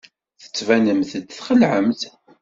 Tettbanemt-d txelɛemt.